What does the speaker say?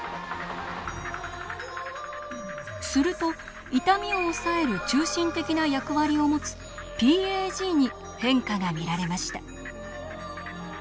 すると痛みを抑える中心的な役割を持つＰＡＧに変化が見られました。